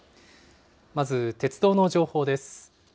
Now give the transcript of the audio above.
まず鉄道の情報です。